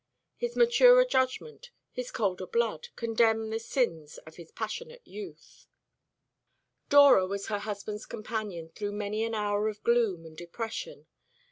His maturer judgment, his colder blood, condemn the sins of his passionate youth. Dora was her husband's companion through many an hour of gloom and depression.